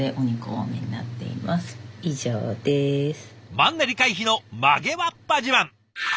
マンネリ回避の曲げわっぱ自慢。